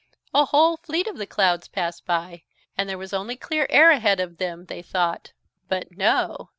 A whole fleet of the clouds passed by and there was only clear air ahead of them, they thought, but no!